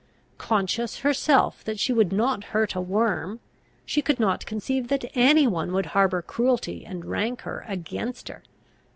Conscious herself that she would not hurt a worm, she could not conceive that any one would harbour cruelty and rancour against her.